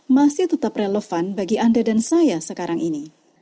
masih tetap relevan bagi anda dan saya sekarang ini